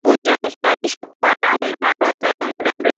Magonjwa yanayosababisha kuhara au mharo hatari wa muda mrefu